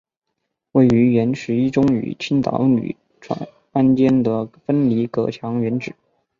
位于原十一中与青岛女专间的分隔墙原址。